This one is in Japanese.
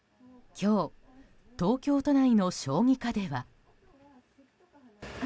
今日東京都内の小児科では。